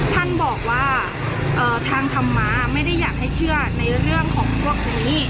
ท่านบอกว่าทางธรรมะไม่ได้อยากให้เชื่อในเรื่องของพวกนี้